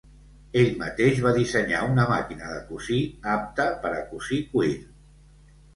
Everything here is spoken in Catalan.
Ell mateix va dissenyar una màquina de cosir apte per a cosir cuir.